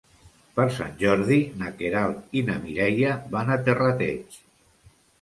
Per Sant Jordi na Queralt i na Mireia van a Terrateig.